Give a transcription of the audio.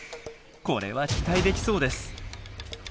これは期待できそうです。